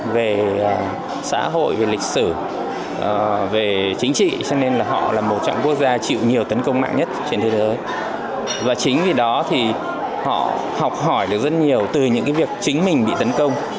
và chính vì đó thì họ học hỏi được rất nhiều từ những việc chính mình bị tấn công